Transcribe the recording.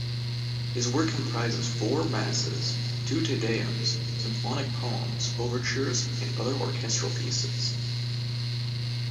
His work comprises four masses, two Te Deums, symphonic poems, overtures and other orchestral pieces.